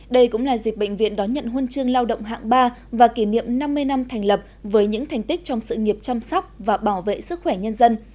đây cũng là dịp bệnh viện đón nhận huân chương lao động hạng ba và kỷ niệm năm mươi năm thành lập với những thành tích trong sự nghiệp chăm sóc và bảo vệ sức khỏe nhân dân